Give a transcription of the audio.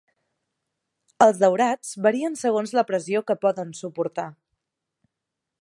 Els daurats varien segons la pressió que poden suportar.